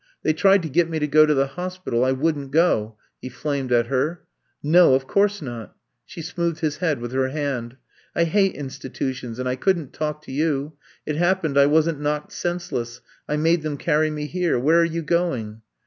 They tried to get me to go to the hos pital. ... I wouldn't gol'^ he flamed at her. ^^ No, of course not. '' She smoothed his head with her hand. ^'I hate institutions and I couldn't talk to you. It happened I wasn't knocked senseless. I made them carry me here. Where are you going?"